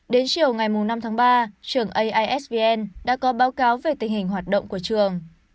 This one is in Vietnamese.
đến chiều ngày năm tháng ba trường aisvn đã có báo cáo về tình hình hoạt động của trường